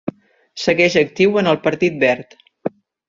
Segueix actiu en el Partit Verd.